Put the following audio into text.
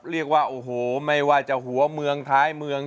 เรียกว่าโอ้โหไม่ว่าจะหัวเมืองท้ายเมือง